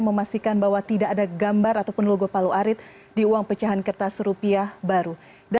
memastikan bahwa tidak ada gambar ataupun logo palu arit di uang pecahan kertas rupiah baru